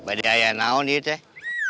bagi ayah naun ya teh